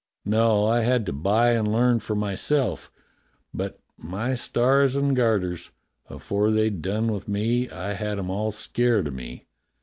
No, I had to buy and learn for myself, but, my stars and garters ! afore they'd done with me I had 'em all scared o' me.